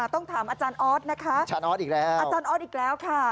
ต้องถามอาจารย์ออสอาจารย์ออสอีกแล้ว